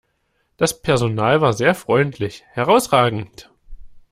Das Personal war sehr freundlich, herrausragend!